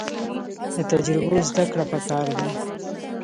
له تجربو زده کړه پکار ده